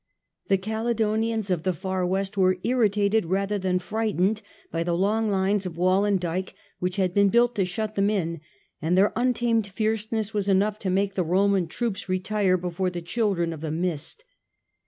The Caledonians of the far west were irritated rather than frightened by the long lines of wall and dyke which had been built to shut them in, and their untamed fierceness was enough to make the Roman troops retire before the children of the mist.